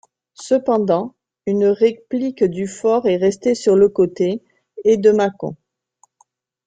Cependant, une réplique du fort est restée sur le côté est de Macon.